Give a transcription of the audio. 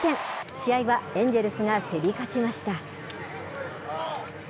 試合はエンジェルスが競り勝ちました。